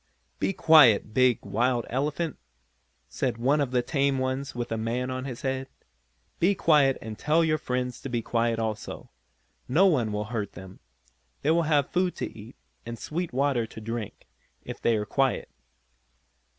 "Be quiet, big, wild elephant," said one of the tame ones with a man on his head. "Be quiet and tell your friends to be quiet also. No one will hurt them. They will have food to eat, and sweet water to drink, if they are quiet."